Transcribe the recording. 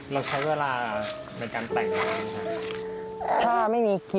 เราใช้เวลาในการแต่งอะไรอย่างนี้ค่ะ